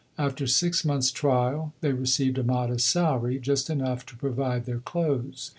After six months' trial they received a modest salary, just enough to provide their clothes.